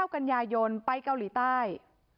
กันยายนไปเกาหลีใต้